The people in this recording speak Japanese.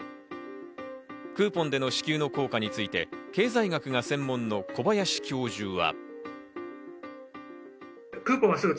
クーポンでの支給の効果について経済学が専門の小林教授は。